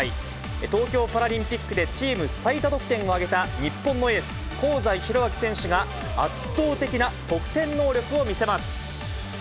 東京パラリンピックでチーム最多得点を挙げた日本のエース、香西宏昭選手が、圧倒的な得点能力を見せます。